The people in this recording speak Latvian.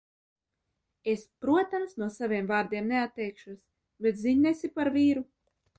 Es, protams, no saviem vārdiem neatteikšos, bet ziņnesi par vīru?